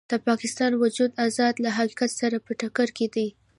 د پاکستان وجود د ازادۍ له حقیقت سره په ټکر کې دی.